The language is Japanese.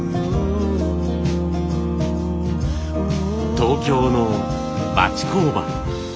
東京の町工場。